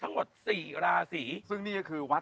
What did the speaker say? วัดสุทัศน์นี้จริงแล้วอยู่มากี่ปีตั้งแต่สมัยราชการไหนหรือยังไงครับ